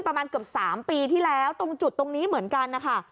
ประมาณเกือบ๓ปีที่แล้วตรงจุดตรงนี้เหมือนกันนะคะ